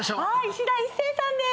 いしだ壱成さんです。